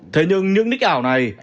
thế nhưng những ních ảo này